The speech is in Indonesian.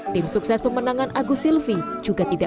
tim sukses pemenangan agus silvi juga tidak menargetkan nomor urut